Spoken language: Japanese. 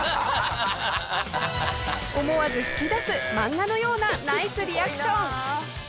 思わず噴き出すマンガのようなナイスリアクション。